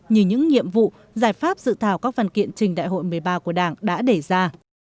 như những nhiệm vụ giải pháp dự thảo các văn kiện trình đại hội một mươi ba của đảng đã đề ra